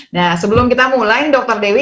nah sebelum kita mulai dr dewi